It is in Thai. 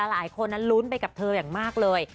หลายคนนั้นลุ้นไปกับเธออย่างมากเลย